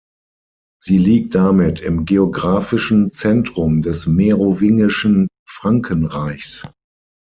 Sie liegt damit im geographischen Zentrum des merowingischen Frankenreichs.